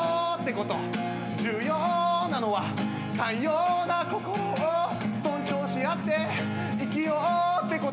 「重要なのは寛容な心を尊重し合って生きようってこと」